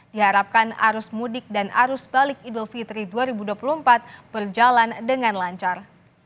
diharapkan arus mudik dan arus balik idul fitri dua ribu dua puluh empat berjalan dengan lancar